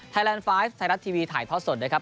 ไทยแลนด์ไฟล์สไทยรัฐทีวีถ่ายเพาะสดด้วยครับ